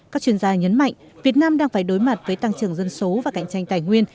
các chuyên gia nhấn mạnh việt nam đang phải đối mặt với tăng trưởng dân số và cạnh tranh tài nguyên